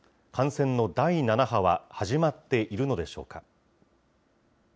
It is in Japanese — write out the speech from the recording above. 感染の第７波は始まっているのでしょうか。